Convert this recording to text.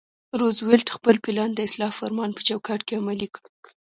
روزولټ خپل پلان د اصلاح فرمان په چوکاټ کې عملي کړ.